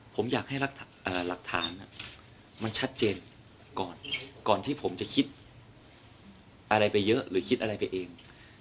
ผมอยากให้หลักฐานมันชัดเจนก่อนก่อนที่ผมจะคิดอะไรไปเยอะหรือคิดอะไรไปเอง